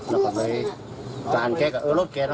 แล้วก็เลยแฟนแกก็เออรถแกนะ